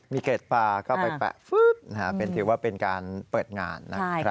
มีเกรดปลาก็ไปแปะถือว่าเป็นการเปิดงานนะครับ